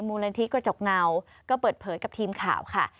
มูลนิธิกระจกเงาก็เปิดเผยกับทีมข่าวค่ะ